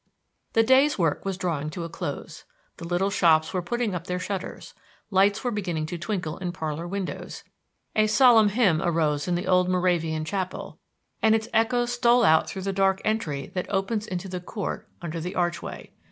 The day's work was drawing to a close. The little shops were putting up their shutters; lights were beginning to twinkle in parlor windows; a solemn hymn arose in the old Moravian chapel, and its echoes stole out through the dark entry that opens into the court under the archway.